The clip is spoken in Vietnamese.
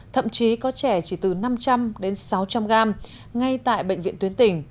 thậm chí có trẻ chỉ từ năm trăm linh đến sáu trăm linh gram ngay tại bệnh viện tuyến tỉnh